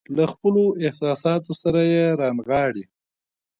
له خپلو احساساتو سره يې رانغاړي.